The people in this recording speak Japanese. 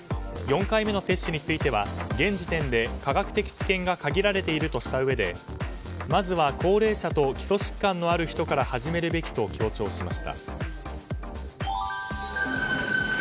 ４回目の接種については現時点で科学的知見が限られているとしたうえでまずは高齢者と基礎疾患のある人から始めるべきと強調しました。